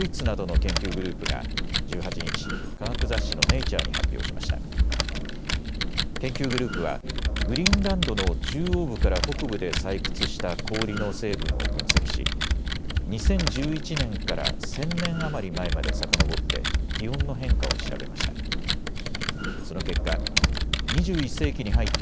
研究グループはグリーンランドの中央部から北部で採掘した氷の成分を分析し２０１１年から１０００年余り前までさかのぼって気温の変化を調べました。